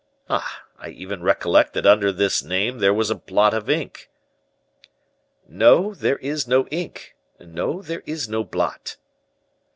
Ah! I even recollect that under this name there was a blot of ink." "No, there is no ink; no, there is no blot."